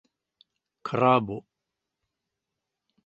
Krabo...